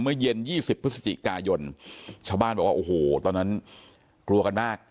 เมื่อเย็น๒๐พฤศจิกายนชาวบ้านบอกว่าโอ้โหตอนนั้นกลัวกันมาก